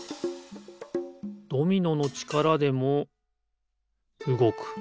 ドミノのちからでもうごく。